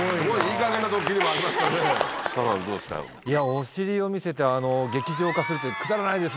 お尻を見せて劇場化する。